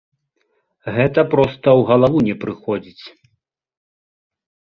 Гэта проста ў галаву не прыходзіць.